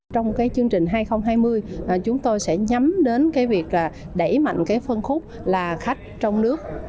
trong chương trình hai nghìn hai mươi chúng tôi sẽ nhắm đến việc đẩy mạnh phân khúc là khách trong nước